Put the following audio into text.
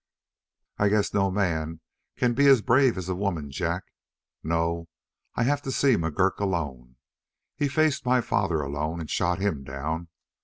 "I guess no man can be as brave as a woman, Jack. No; I have to see McGurk alone. He faced my father alone and shot him down.